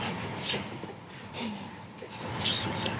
ちょっとすみません。